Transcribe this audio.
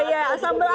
iya sambal apa tuh